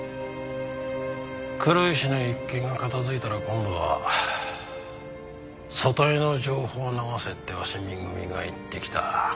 黒石の一件が片付いたら今度は組対の情報を流せって鷲見組が言ってきた。